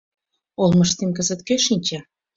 Олмыштем кызыт кӧ шинча?